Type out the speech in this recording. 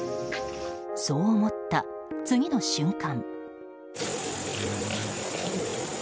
そう思った次の瞬間。